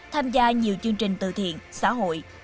tham gia nhiều chương trình từ thiện xã hội